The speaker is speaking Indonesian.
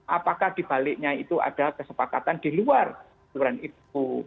apakah dibaliknya itu ada kesepakatan di luar aturan itu